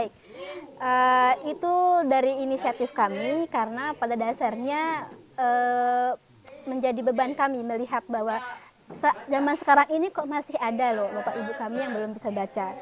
baik itu dari inisiatif kami karena pada dasarnya menjadi beban kami melihat bahwa zaman sekarang ini kok masih ada loh bapak ibu kami yang belum bisa baca